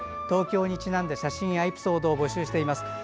東京にちなんだ写真やエピソードを募集しています。